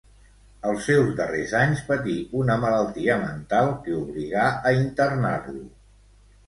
Els seus darrers anys patí una malaltia mental que obligà a internar-lo.